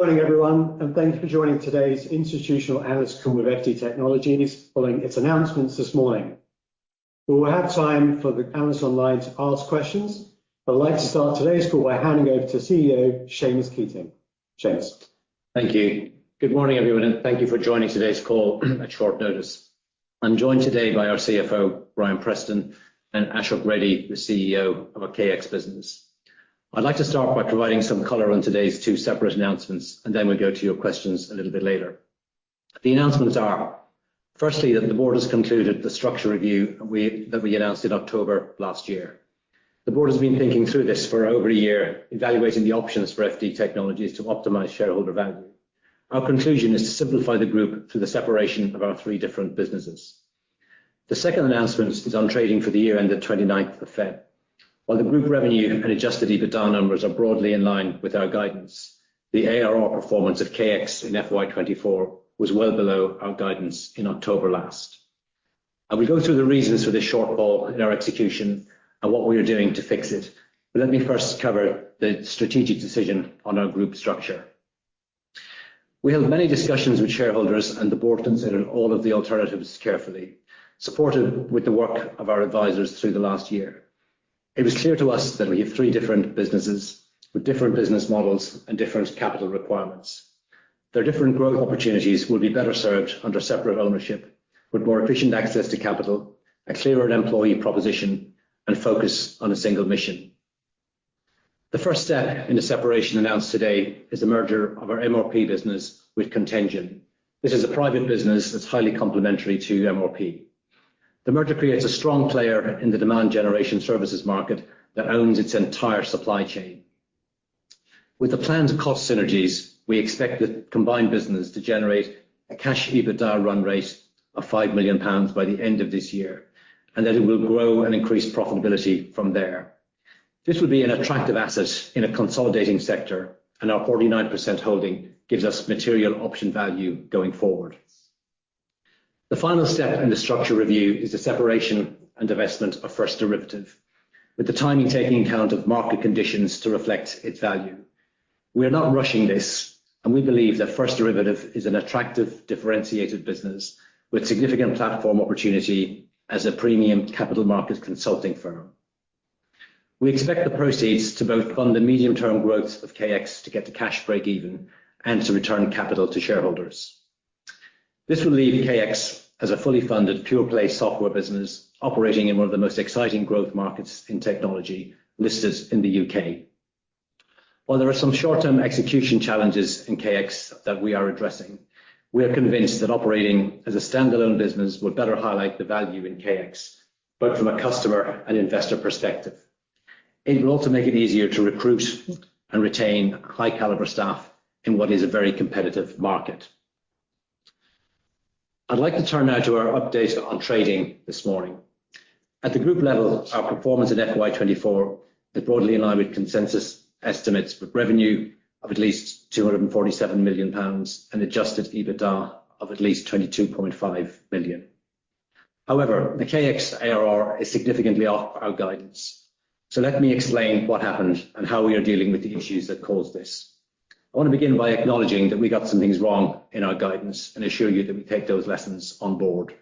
Morning, everyone, and thanks for joining today's Institutional Analyst Call with FD Technologies, following its announcements this morning. We will have time for the analysts online to ask questions, but I'd like to start today's call by handing over to CEO Seamus Keating. Seamus. Thank you. Good morning, everyone, and thank you for joining today's call at short notice. I'm joined today by our CFO, Ryan Preston, and Ashok Reddy, the CEO of KX Business. I'd like to start by providing some color on today's two separate announcements, and then we'll go to your questions a little bit later. The announcements are, firstly, that the Board has concluded the structure review that we announced in October last year. The Board has been thinking through this for over a year, evaluating the options for FD Technologies to optimize shareholder value. Our conclusion is to simplify the group through the separation of our three different businesses. The second announcement is on trading for the year ended 29th of February. While the group revenue and Adjusted EBITDA numbers are broadly in line with our guidance, the ARR performance of KX in FY 2024 was well below our guidance in October last. I will go through the reasons for this shortfall in our execution and what we are doing to fix it, but let me first cover the strategic decision on our group structure. We held many discussions with shareholders and the Board considered all of the alternatives carefully, supported with the work of our advisors through the last year. It was clear to us that we have three different businesses with different business models and different capital requirements. Their different growth opportunities would be better served under separate ownership, with more efficient access to capital, a clearer employee proposition, and focus on a single mission. The first step in the separation announced today is the merger of our MRP business with CONTENTgine. This is a private business that's highly complementary to MRP. The merger creates a strong player in the demand generation services market that owns its entire supply chain. With the planned cost synergies, we expect the combined business to generate a cash EBITDA run rate of 5 million pounds by the end of this year, and that it will grow and increase profitability from there. This would be an attractive asset in a consolidating sector, and our 49% holding gives us material option value going forward. The final step in the structure review is the separation and investment of First Derivative, with the timing taking account of market conditions to reflect its value. We are not rushing this, and we believe that First Derivative is an attractive, differentiated business with significant platform opportunity as a premium capital markets consulting firm. We expect the proceeds to both fund the medium-term growth of KX to get to cash break-even and to return capital to shareholders. This will leave KX as a fully funded pure-play software business operating in one of the most exciting growth markets in technology listed in the U.K. While there are some short-term execution challenges in KX that we are addressing, we are convinced that operating as a standalone business would better highlight the value in KX, both from a customer and investor perspective. It will also make it easier to recruit and retain high-caliber staff in what is a very competitive market. I'd like to turn now to our update on trading this morning. At the group level, our performance in FY 2024 is broadly in line with consensus estimates with revenue of at least 247 million pounds and Adjusted EBITDA of at least 22.5 million. However, the KX ARR is significantly off our guidance, so let me explain what happened and how we are dealing with the issues that caused this. I want to begin by acknowledging that we got some things wrong in our guidance and assure you that we take those lessons on Board.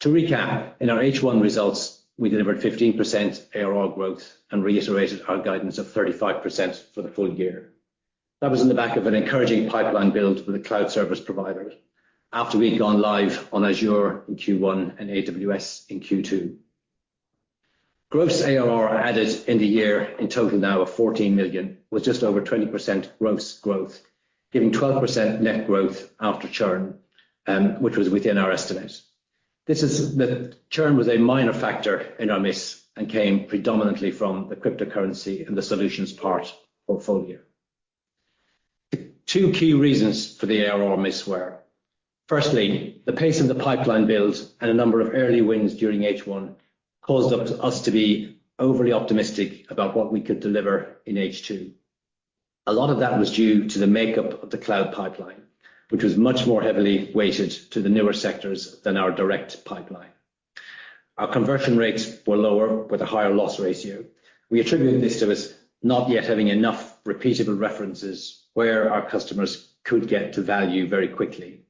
To recap, in our H1 results, we delivered 15% ARR growth and reiterated our guidance of 35% for the full year. That was in the back of an encouraging pipeline build with a cloud service provider after we'd gone live on Azure in Q1 and AWS in Q2. Gross ARR added in the year in total now of 14 million was just over 20% gross growth, giving 12% net growth after churn, which was within our estimate. This is that churn was a minor factor in our miss and came predominantly from the cryptocurrency and the solutions part portfolio. The two key reasons for the ARR miss were, firstly, the pace of the pipeline build and a number of early wins during H1 caused us to be overly optimistic about what we could deliver in H2. A lot of that was due to the makeup of the cloud pipeline, which was much more heavily weighted to the newer sectors than our direct pipeline. Our conversion rates were lower with a higher loss ratio. We attribute this to us not yet having enough repeatable references where our customers could get to value very quickly.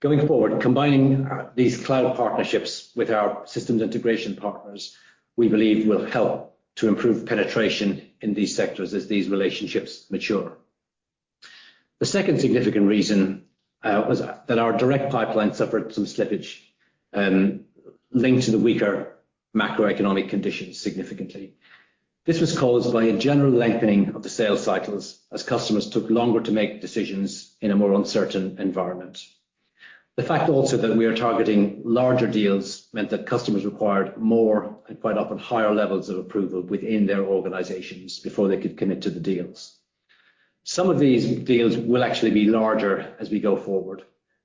Going forward, combining these cloud partnerships with our systems integration partners, we believe, will help to improve penetration in these sectors as these relationships mature. The second significant reason was that our direct pipeline suffered some slippage linked to the weaker macroeconomic conditions significantly. This was caused by a general lengthening of the sales cycles as customers took longer to make decisions in a more uncertain environment. The fact also that we are targeting larger deals meant that customers required more and quite often higher levels of approval within their organizations before they could commit to the deals. Some of these deals will actually be larger as we go forward,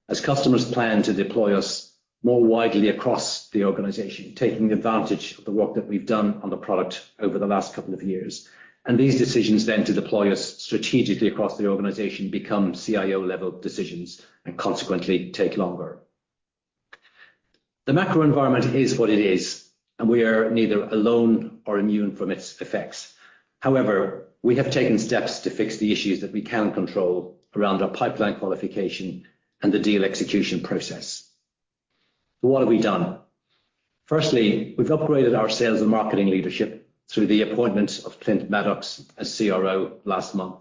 as customers plan to deploy us more widely across the organization, taking advantage of the work that we've done on the product over the last couple of years. These decisions then to deploy us strategically across the organization become CIO-level decisions and consequently take longer. The macro environment is what it is, and we are neither alone nor immune from its effects. However, we have taken steps to fix the issues that we can control around our pipeline qualification and the deal execution process. So what have we done? Firstly, we've upgraded our sales and marketing leadership through the appointment of Clint Maddox as CRO last month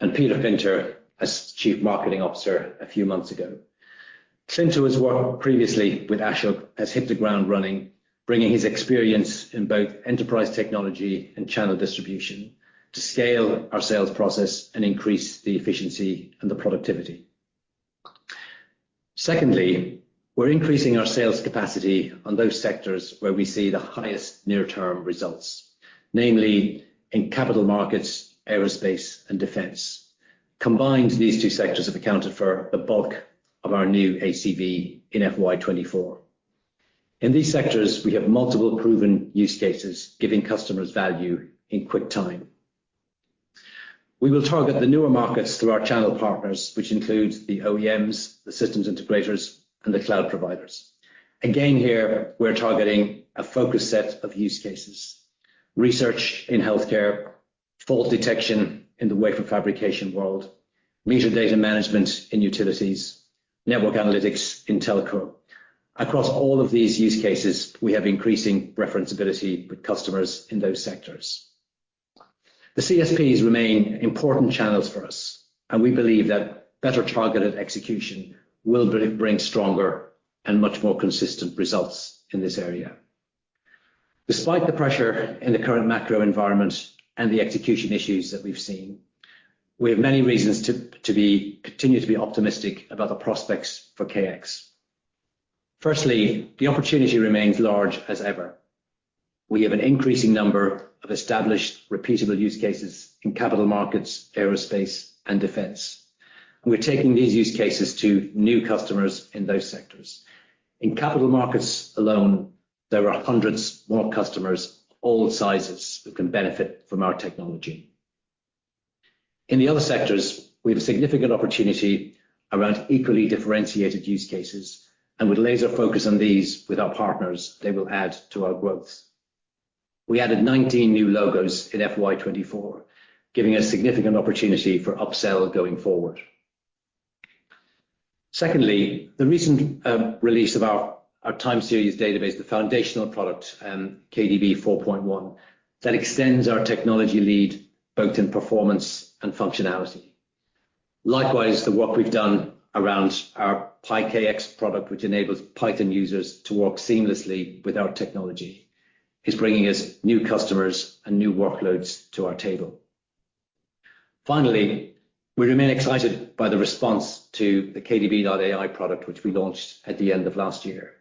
and Peter Finter as Chief Marketing Officer a few months ago. Clint, who has worked previously with Ashok, has hit the ground running, bringing his experience in both enterprise technology and channel distribution to scale our sales process and increase the efficiency and the productivity. Secondly, we're increasing our sales capacity on those sectors where we see the highest near-term results, namely in capital markets, aerospace, and defense. Combined, these two sectors have accounted for the bulk of our new ACV in FY 2024. In these sectors, we have multiple proven use cases giving customers value in quick time. We will target the newer markets through our channel partners, which include the OEMs, the systems integrators, and the cloud providers. Again here, we're targeting a focused set of use cases: research in healthcare, fault detection in the wafer fabrication world, meter data management in utilities, network analytics in telco. Across all of these use cases, we have increasing referenceability with customers in those sectors. The CSPs remain important channels for us, and we believe that better targeted execution will bring stronger and much more consistent results in this area. Despite the pressure in the current macro environment and the execution issues that we've seen, we have many reasons to continue to be optimistic about the prospects for KX. Firstly, the opportunity remains large as ever. We have an increasing number of established repeatable use cases in capital markets, aerospace, and defense. We're taking these use cases to new customers in those sectors. In capital markets alone, there are hundreds more customers of all sizes who can benefit from our technology. In the other sectors, we have a significant opportunity around equally differentiated use cases. With laser focus on these with our partners, they will add to our growth. We added 19 new logos in FY 2024, giving us significant opportunity for upsell going forward. Secondly, the recent release of our time series database, the foundational product kdb+ 4.1, that extends our technology lead both in performance and functionality. Likewise, the work we've done around our PyKX product, which enables Python users to work seamlessly with our technology, is bringing us new customers and new workloads to our table. Finally, we remain excited by the response to the KDB.AI product, which we launched at the end of last year.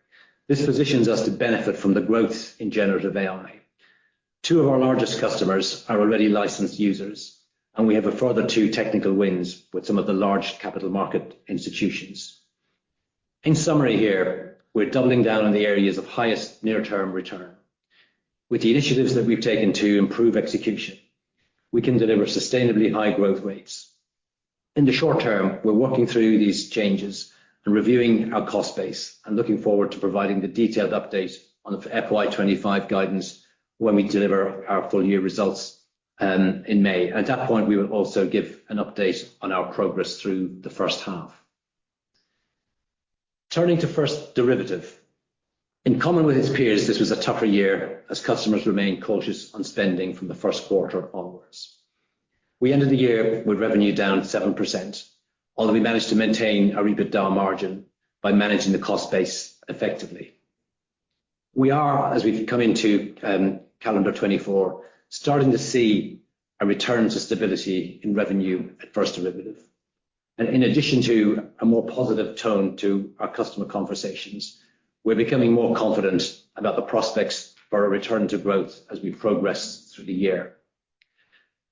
This positions us to benefit from the growth in generative AI. Two of our largest customers are already licensed users, and we have a further two technical wins with some of the large capital market institutions. In summary here, we're doubling down on the areas of highest near-term return. With the initiatives that we've taken to improve execution, we can deliver sustainably high growth rates. In the short term, we're working through these changes and reviewing our cost base and looking forward to providing the detailed update on the FY 2025 guidance when we deliver our full year results in May. At that point, we will also give an update on our progress through the first half. Turning to First Derivative. In common with its peers, this was a tougher year as customers remained cautious on spending from the first quarter onwards. We ended the year with revenue down 7%, although we managed to maintain our EBITDA margin by managing the cost base effectively. We are, as we've come into calendar 2024, starting to see a return to stability in revenue at First Derivative. In addition to a more positive tone to our customer conversations, we're becoming more confident about the prospects for a return to growth as we progress through the year.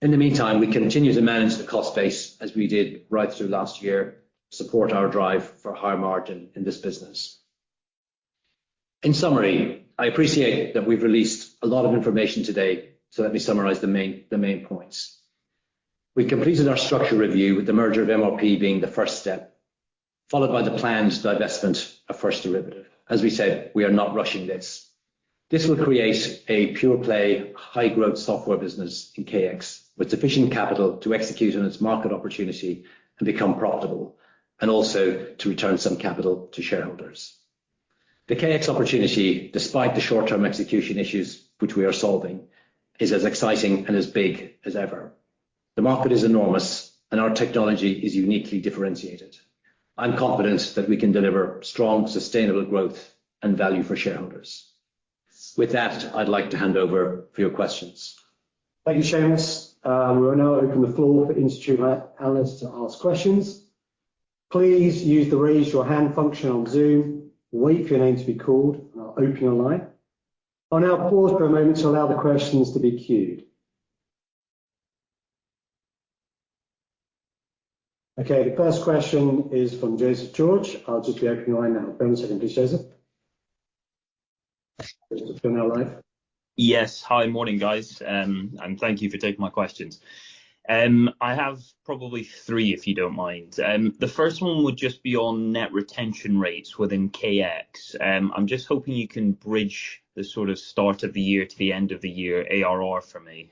In the meantime, we continue to manage the cost base as we did right through last year to support our drive for a higher margin in this business. In summary, I appreciate that we've released a lot of information today. So let me summarize the main points. We've completed our structure review, with the merger of MRP being the first step, followed by the planned investment of First Derivative. As we said, we are not rushing this. This will create a pure-play, high-growth software business in KX with sufficient capital to execute on its market opportunity and become profitable, and also to return some capital to shareholders. The KX opportunity, despite the short-term execution issues which we are solving, is as exciting and as big as ever. The market is enormous, and our technology is uniquely differentiated. I'm confident that we can deliver strong, sustainable growth and value for shareholders. With that, I'd like to hand over for your questions. Thank you, Seamus. We will now open the floor for institute analysts to ask questions. Please use the raise your hand function on Zoom. Wait for your name to be called, and I'll open your line. I'll now pause for a moment to allow the questions to be queued. Okay. The first question is from Joseph George. I'll just be opening your line now. Bear with a second, please, Joseph. Just to turn on your line. Yes. Hi. Morning, guys. And thank you for taking my questions. I have probably three, if you don't mind. The first one would just be on net retention rates within KX. I'm just hoping you can bridge the sort of start of the year to the end of the year ARR for me.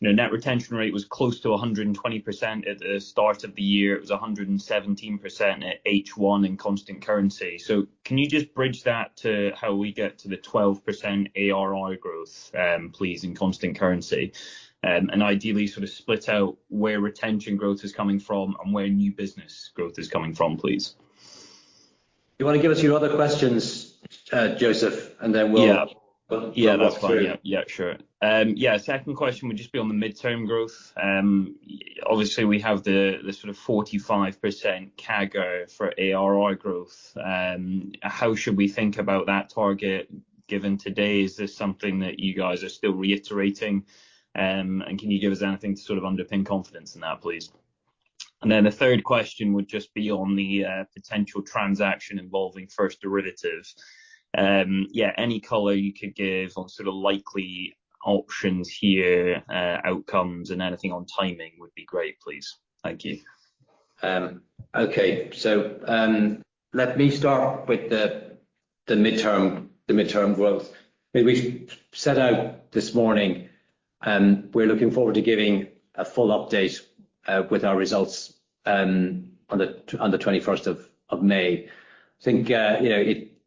Net retention rate was close to 120% at the start of the year. It was 117% at H1 in constant currency. So can you just bridge that to how we get to the 12% ARR growth, please, in constant currency? And ideally, sort of split out where retention growth is coming from and where new business growth is coming from, please. You want to give us your other questions, Joseph, and then we'll. Yeah. Yeah. That's fine. Yeah. Yeah. Sure. Yeah. Second question would just be on the midterm growth. Obviously, we have the sort of 45% CAGR for ARR growth. How should we think about that target given today? Is this something that you guys are still reiterating? And can you give us anything to sort of underpin confidence in that, please? And then the third question would just be on the potential transaction involving First Derivative. Yeah. Any color you could give on sort of likely options here, outcomes, and anything on timing would be great, please. Thank you. Okay. So let me start with the midterm growth. As we set out this morning, we're looking forward to giving a full update with our results on the 21st of May. I think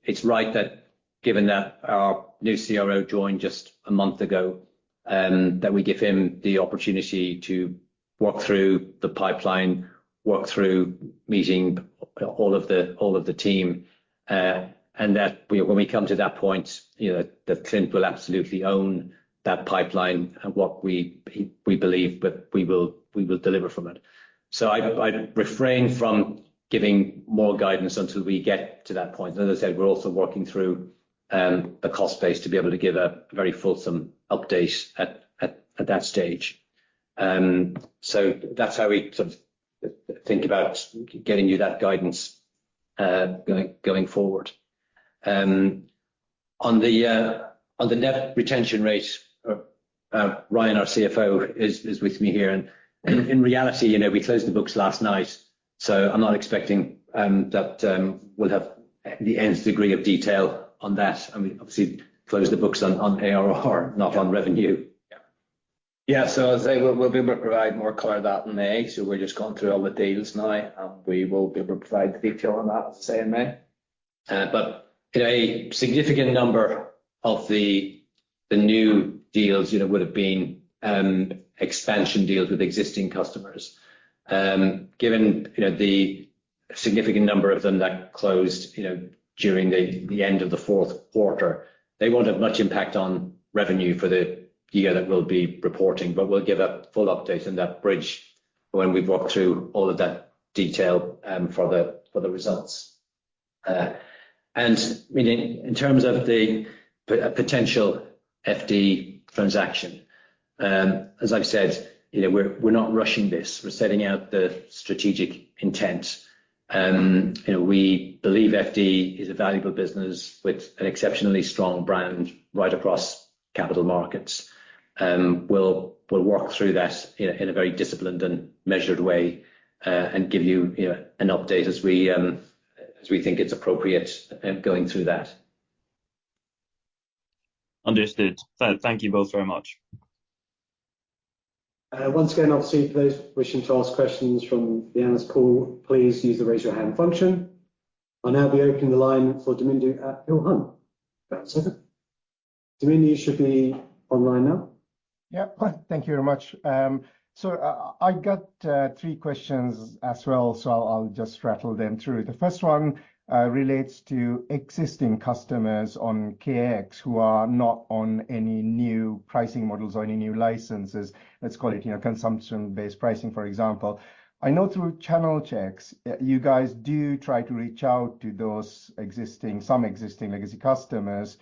it's right that given that our new CRO joined just a month ago, that we give him the opportunity to work through the pipeline, work through meeting all of the team, and that when we come to that point, that Clint will absolutely own that pipeline and what we believe we will deliver from it. So I'd refrain from giving more guidance until we get to that point. As I said, we're also working through the cost base to be able to give a very fulsome update at that stage. So that's how we sort of think about getting you that guidance going forward. On the net retention rate, Ryan, our CFO, is with me here. In reality, we closed the books last night. I'm not expecting that we'll have the full degree of detail on that. We obviously closed the books on ARR, not on revenue. Yeah. Yeah. So as I say, we'll be able to provide more color of that in May. So we're just going through all the deals now, and we will be able to provide the detail on that, as I say, in May. But a significant number of the new deals would have been expansion deals with existing customers. Given the significant number of them that closed during the end of the fourth quarter, they won't have much impact on revenue for the year that we'll be reporting. But we'll give a full update and that bridge when we've worked through all of that detail for the results. And in terms of the potential FD transaction, as I've said, we're not rushing this. We're setting out the strategic intent. We believe FD is a valuable business with an exceptionally strong brand right across capital markets. We'll work through that in a very disciplined and measured way and give you an update as we think it's appropriate going through that. Understood. Thank you both very much. Once again, obviously, for those wishing to ask questions from the analyst call, please use the raise your hand function. I'll now be opening the line for Damindu at Peel Hunt for a second. Damindu, you should be online now. Yeah. Thank you very much. So I got three questions as well, so I'll just rattle them through. The first one relates to existing customers on KX who are not on any new pricing models or any new licenses. Let's call it consumption-based pricing, for example. I know through channel checks, you guys do try to reach out to those existing, some existing legacy customers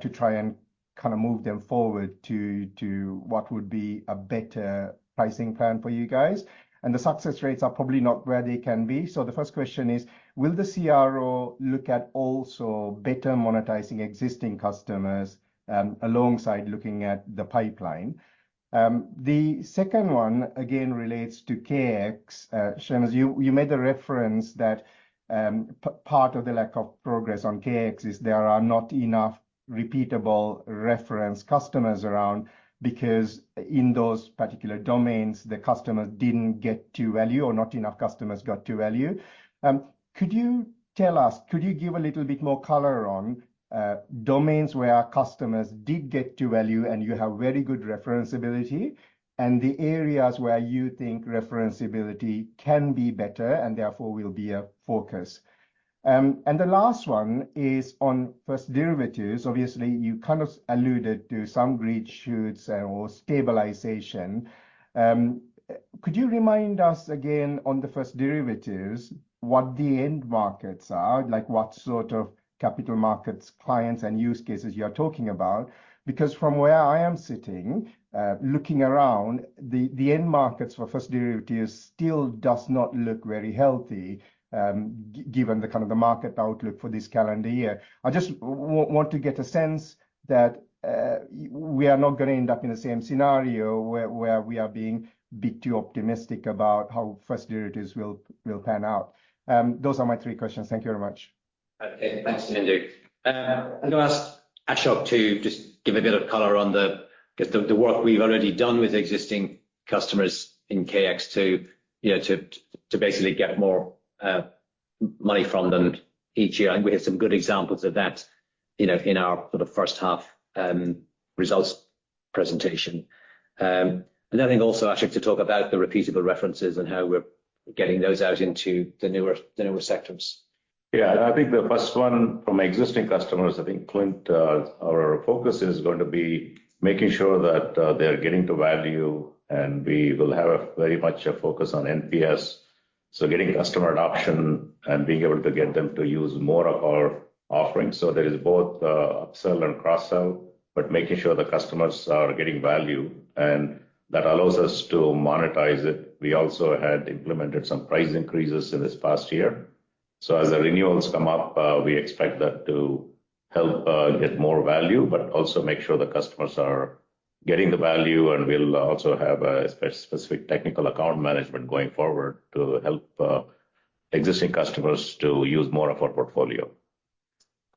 to try and kind of move them forward to what would be a better pricing plan for you guys. And the success rates are probably not where they can be. So the first question is, will the CRO look at also better monetizing existing customers alongside looking at the pipeline? The second one, again, relates to KX. Seamus, you made the reference that part of the lack of progress on KX is there are not enough repeatable reference customers around because in those particular domains, the customers didn't get to value or not enough customers got to value. Could you tell us, could you give a little bit more color on domains where our customers did get to value and you have very good referenceability, and the areas where you think referenceability can be better and therefore will be a focus? The last one is on First Derivative. Obviously, you kind of alluded to some green shoots or stabilization. Could you remind us again on the First Derivative what the end markets are, like what sort of capital markets clients and use cases you are talking about? Because from where I am sitting, looking around, the end markets for First Derivative still do not look very healthy given the kind of the market outlook for this calendar year. I just want to get a sense that we are not going to end up in the same scenario where we are being a bit too optimistic about how First Derivative will pan out. Those are my three questions. Thank you very much. Okay. Thanks, Damindu. I'm going to ask Ashok to just give a bit of color on the work we've already done with existing customers in KX to basically get more money from them each year. And we had some good examples of that in our sort of first-half results presentation. And I think also, Ashok, to talk about the repeatable references and how we're getting those out into the newer sectors. Yeah. I think the first one from existing customers, I think Clint, our focus is going to be making sure that they are getting to value. And we will have very much a focus on NPS. So getting customer adoption and being able to get them to use more of our offering. So there is both upsell and cross-sell, but making sure the customers are getting value. And that allows us to monetize it. We also had implemented some price increases in this past year. So as the renewals come up, we expect that to help get more value, but also make sure the customers are getting the value. And we'll also have a specific technical account management going forward to help existing customers to use more of our portfolio.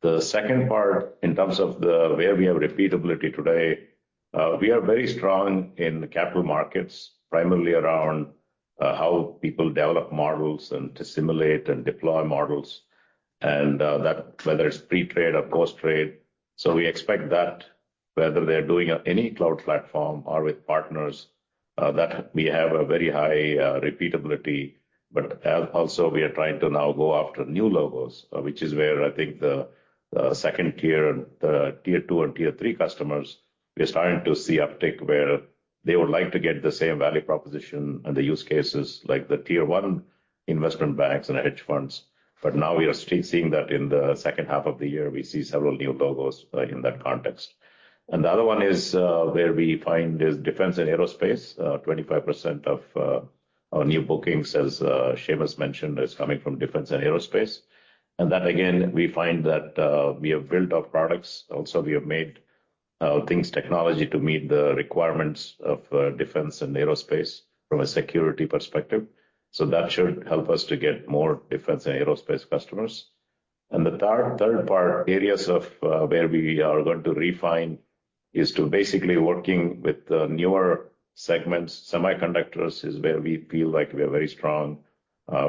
The second part, in terms of where we have repeatability today, we are very strong in the capital markets, primarily around how people develop models and to simulate and deploy models, whether it's pre-trade or post-trade. So we expect that whether they're doing any cloud platform or with partners, that we have a very high repeatability. But also, we are trying to now go after new logos, which is where I think the second tier and the tier two and tier three customers, we are starting to see uptick where they would like to get the same value proposition and the use cases like the tier one investment banks and hedge funds. But now we are seeing that in the second half of the year, we see several new logos in that context. And the other one is where we find is defense and aerospace. 25% of our new bookings, as Seamus mentioned, is coming from defense and aerospace. That, again, we find that we have built off products. Also, we have made things technology to meet the requirements of defense and aerospace from a security perspective. That should help us to get more defense and aerospace customers. The third part, areas of where we are going to refine, is to basically working with newer segments. Semiconductors is where we feel like we are very strong.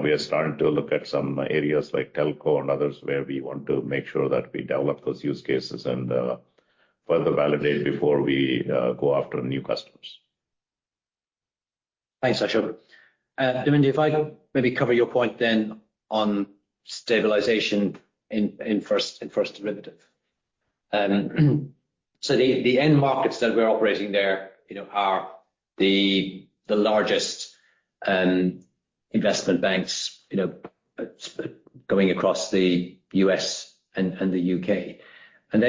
We are starting to look at some areas like telco and others where we want to make sure that we develop those use cases and further validate before we go after new customers. Thanks, Ashok. Damindu, if I maybe cover your point then on stabilization in First Derivative. So the end markets that we're operating there are the largest investment banks going across the U.S. and the U.K. And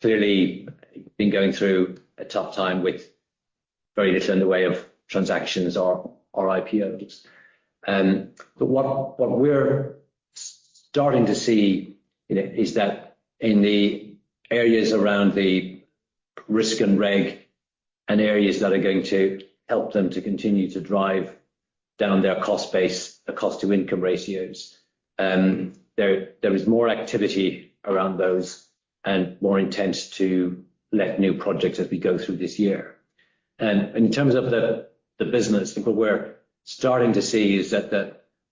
they've clearly been going through a tough time with very little in the way of transactions or IPOs. But what we're starting to see is that in the areas around the risk and reg and areas that are going to help them to continue to drive down their cost-to-income ratios, there is more activity around those and more intent to let new projects as we go through this year. And in terms of the business, what we're starting to see is that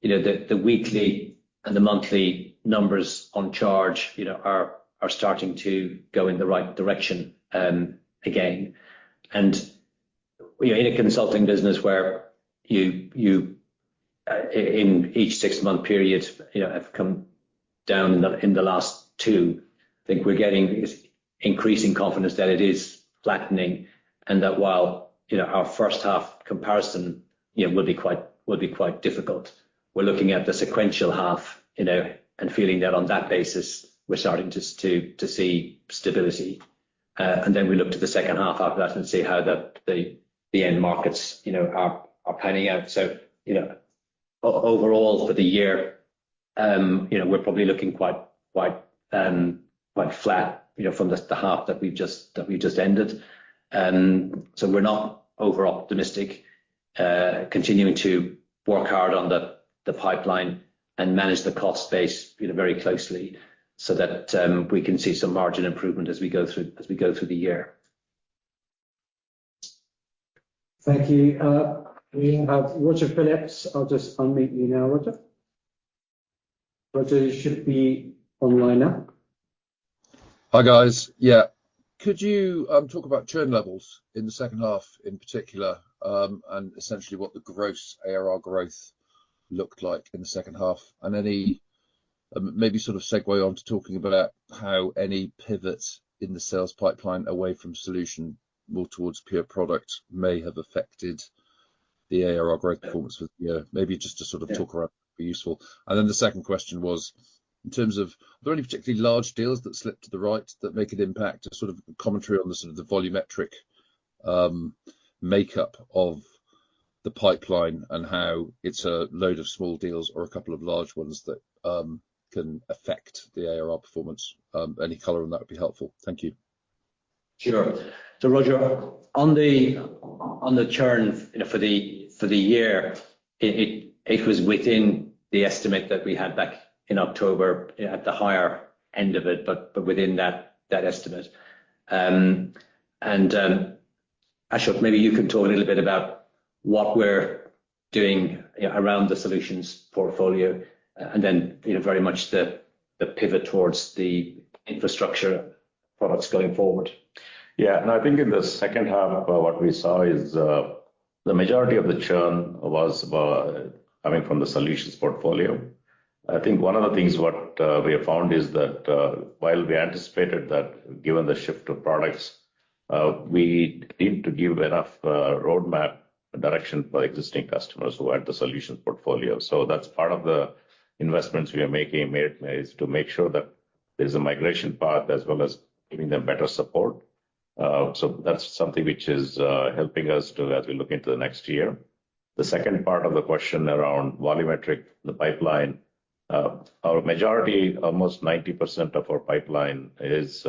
the weekly and the monthly numbers on charge are starting to go in the right direction again. In a consulting business where you, in each six-month period, have come down in the last two, I think we're getting increasing confidence that it is flattening and that while our first-half comparison will be quite difficult, we're looking at the sequential half and feeling that on that basis, we're starting to see stability. Then we look to the second half after that and see how the end markets are panning out. So overall, for the year, we're probably looking quite flat from the half that we've just ended. So we're not over-optimistic, continuing to work hard on the pipeline and manage the cost base very closely so that we can see some margin improvement as we go through the year. Thank you. We have Roger Phillips. I'll just unmute you now, Roger. Roger should be online now. Hi, guys. Yeah. Could you talk about churn levels in the second half in particular and essentially what the gross ARR growth looked like in the second half? And maybe sort of segue on to talking about how any pivot in the sales pipeline away from solution more towards pure product may have affected the ARR growth performance for the year. Maybe just to sort of talk around that would be useful. And then the second question was, in terms of are there any particularly large deals that slip to the right that make an impact? A sort of commentary on the sort of the volumetric makeup of the pipeline and how it's a load of small deals or a couple of large ones that can affect the ARR performance. Any color on that would be helpful. Thank you. Sure. So, Roger, on the churn for the year, it was within the estimate that we had back in October at the higher end of it, but within that estimate. Ashok, maybe you can talk a little bit about what we're doing around the solutions portfolio and then very much the pivot towards the infrastructure products going forward. Yeah. I think in the second half, what we saw is the majority of the churn was coming from the solutions portfolio. I think one of the things what we have found is that while we anticipated that given the shift of products, we need to give enough roadmap direction for existing customers who had the solutions portfolio. So that's part of the investments we are making is to make sure that there's a migration path as well as giving them better support. So that's something which is helping us as we look into the next year. The second part of the question around volumetric, the pipeline, our majority, almost 90% of our pipeline is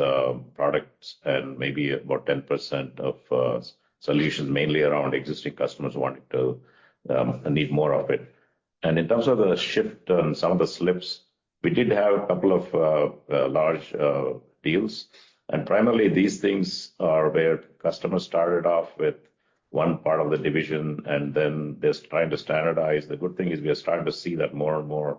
products and maybe about 10% of solutions mainly around existing customers wanting to need more of it. In terms of the shift and some of the slips, we did have a couple of large deals. Primarily, these things are where customers started off with one part of the division, and then they're trying to standardize. The good thing is we are starting to see that more and more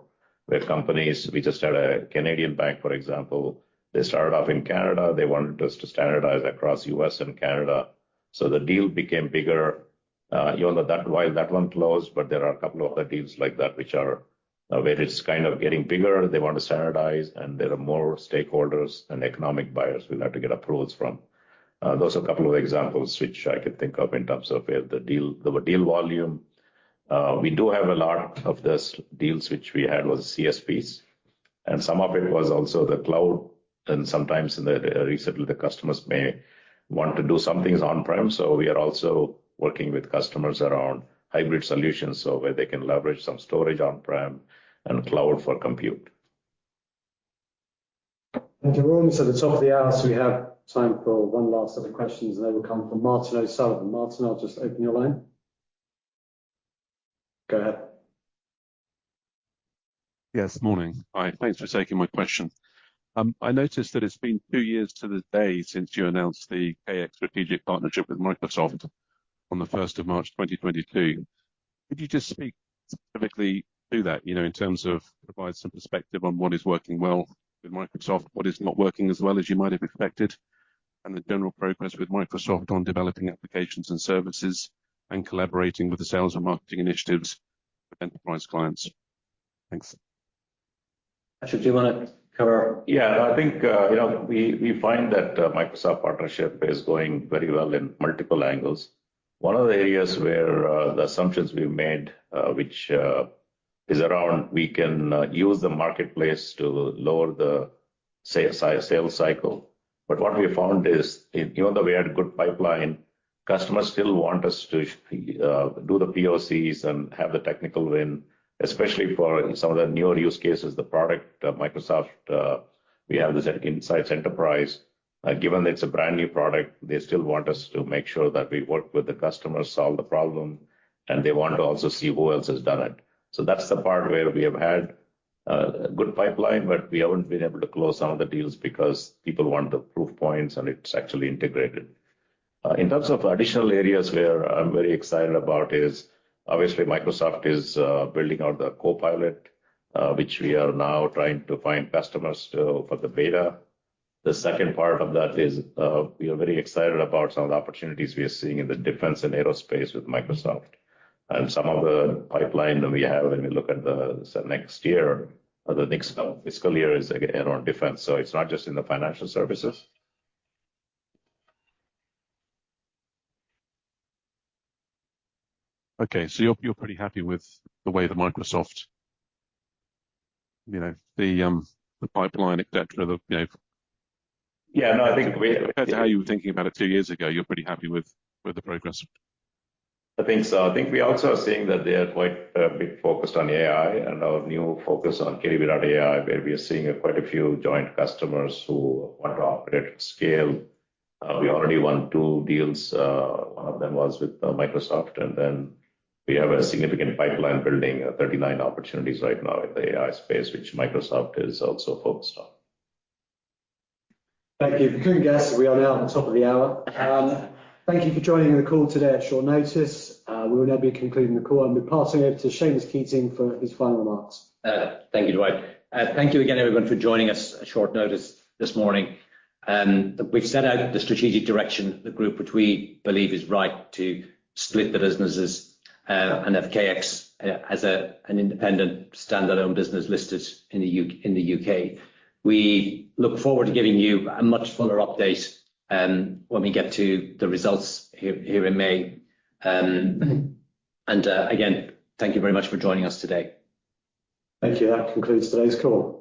where companies we just had a Canadian bank, for example. They started off in Canada. They wanted us to standardize across U.S. and Canada. So the deal became bigger. You know that while that one closed, but there are a couple of other deals like that which are where it's kind of getting bigger. They want to standardize, and there are more stakeholders and economic buyers we'll have to get approvals from. Those are a couple of examples which I could think of in terms of where the deal volume. We do have a lot of those deals which we had was CSPs. Some of it was also the cloud. Sometimes in the recently, the customers may want to do some things on-prem. We are also working with customers around hybrid solutions so where they can leverage some storage on-prem and cloud for compute. Thank you, Roger. So at the top of the hour, we have time for one last set of questions, and they will come from Martin O'Sullivan. Martin, I'll just open your line. Go ahead. Yes. Morning. Hi. Thanks for taking my question. I noticed that it's been two years to the day since you announced the KX strategic partnership with Microsoft on the 1st of March, 2022. Could you just speak specifically to that in terms of provide some perspective on what is working well with Microsoft, what is not working as well as you might have expected, and the general progress with Microsoft on developing applications and services and collaborating with the sales and marketing initiatives with enterprise clients? Thanks. Ashok, do you want to cover? Yeah. I think we find that Microsoft partnership is going very well in multiple angles. One of the areas where the assumptions we've made, which is around we can use the marketplace to lower the sales cycle. But what we found is even though we had a good pipeline, customers still want us to do the POCs and have the technical win, especially for some of the newer use cases, the product Microsoft. We have this Insights Enterprise. Given it's a brand new product, they still want us to make sure that we work with the customers, solve the problem, and they want to also see who else has done it. So that's the part where we have had a good pipeline, but we haven't been able to close some of the deals because people want the proof points, and it's actually integrated. In terms of additional areas where I'm very excited about is, obviously, Microsoft is building out the Copilot, which we are now trying to find customers for the beta. The second part of that is we are very excited about some of the opportunities we are seeing in the defense and aerospace with Microsoft. Some of the pipeline that we have when we look at the next year, the next fiscal year is again on defense. So it's not just in the financial services. Okay. So you're pretty happy with the way the Microsoft, the pipeline, etc.? Yeah. No, I think compared to how you were thinking about it two years ago, you're pretty happy with the progress. I think so. I think we also are seeing that they are quite a bit focused on AI and our new focus on KDB.AI, where we are seeing quite a few joint customers who want to operate at scale. We already won two deals. One of them was with Microsoft. And then we have a significant pipeline building, 39 opportunities right now in the AI space, which Microsoft is also focused on. Thank you. If you can guess, we are now at the top of the hour. Thank you for joining the call today at short notice. We will now be concluding the call, and we're passing over to Seamus Keating for his final remarks. Thank you, Dwight. Thank you again, everyone, for joining us at short notice this morning. We've set out the strategic direction, the group, which we believe is right to split the businesses and have KX as an independent, standalone business listed in the U.K. We look forward to giving you a much fuller update when we get to the results herle in May. Again, thank you very much for joining us today. Thank you. That concludes today's call.